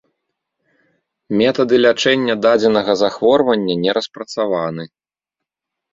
Метады лячэння дадзенага захворвання не распрацаваны.